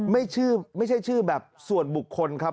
ไม่ใช่ชื่อแบบส่วนบุคคลครับ